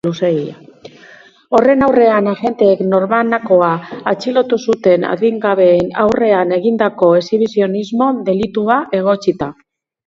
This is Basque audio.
Horren aurrean, agenteek norbanakoa atxilotu zuten adingabeen aurrean egindako exhibizionismo-delitua egotzita.